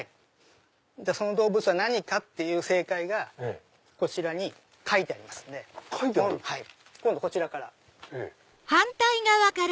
その動物は何かっていう正解がこちらに書いてありますんで今度こちらから。